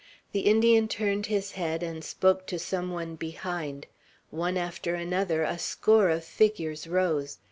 The Indian turned his head, and spoke to some one behind; one after another a score of figures rose.